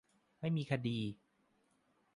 ไม่มีคดี !